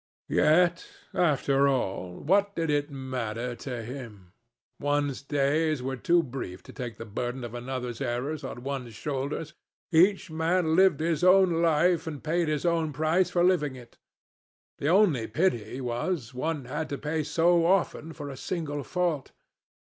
Yet, after all, what did it matter to him? One's days were too brief to take the burden of another's errors on one's shoulders. Each man lived his own life and paid his own price for living it. The only pity was one had to pay so often for a single fault.